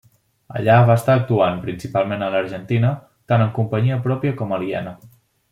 Allà va estar actuant, principalment a l'Argentina, tant amb companyia pròpia com aliena.